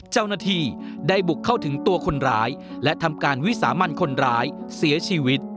เจ้าหน้าที่ได้บุกเข้าถึงตัวคนร้ายและทำการวิสามันคนร้ายเสียชีวิต